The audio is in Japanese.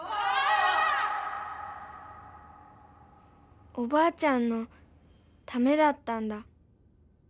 心の声おばあちゃんのためだったんだ。